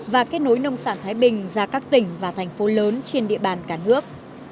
và kết nối nông sản thái bình ra các tỉnh và thành phố lớn trên địa bàn cả nước